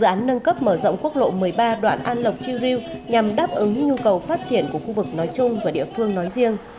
dự án nâng cấp mở rộng quốc lộ một mươi ba đoạn an lộc chư riêu nhằm đáp ứng nhu cầu phát triển của khu vực nói chung và địa phương nói riêng